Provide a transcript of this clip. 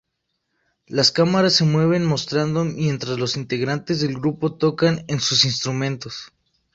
Las cámaras se mueven mostrando mientras los integrantes del grupo tocan en sus instrumentos.